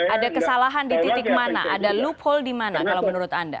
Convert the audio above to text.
ada kesalahan di titik mana ada loophole di mana kalau menurut anda